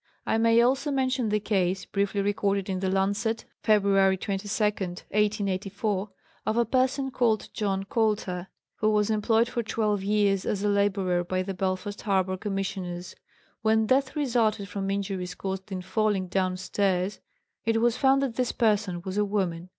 I may also mention the case (briefly recorded in the Lancet, February 22, 1884) of a person called John Coulter, who was employed for twelve years as a laborer by the Belfast Harbor Commissioners. When death resulted from injuries caused in falling down stairs, it was found that this person was a woman.